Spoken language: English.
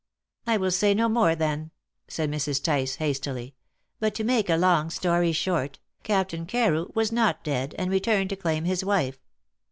"I will say no more, then," said Mrs. Tice hastily; "but, to make a long story short, Captain Carew was not dead, and returned to claim his wife.